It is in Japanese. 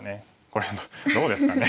これどうですかね。